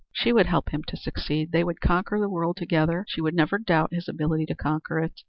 She would help him to succeed; they would conquer the world together; she would never doubt his ability to conquer it.